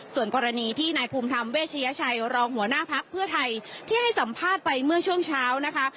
ส่วนกรณีที่นายภูมิธรรมเวชยชัยรองหัวหน้าพักเพื่อไทยที่ให้สัมภาษณ์ไปเมื่อช่วงเช้านะคะ